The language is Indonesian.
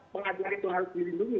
pengadilan itu harus dilindungi